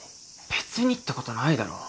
別にってことないだろ。